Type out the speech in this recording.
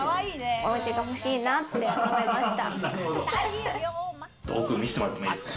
おうちが欲しいなって思いました。